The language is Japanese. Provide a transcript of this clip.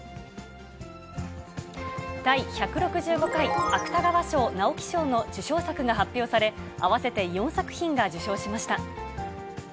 第１６５回芥川賞・直木賞の受賞作が発表され、合わせて４作品が受賞しました。